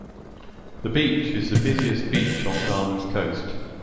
The beach is the busiest beach on Ghana's coast.